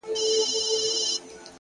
• خپل پردي ورته راتلل له نیژدې لیري ,